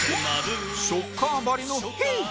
ショッカーばりの「ヒィーッ！」